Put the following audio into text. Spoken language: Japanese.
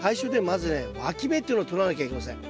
まずねわき芽っていうのを取らなきゃいけません。